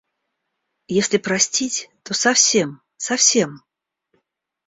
Если простить, то совсем, совсем.